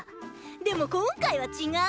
でも今回は違う！